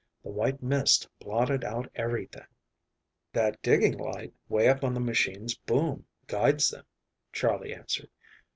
The white mist blotted out everything." "That digging light way up on the machine's boom guides them," Charley answered.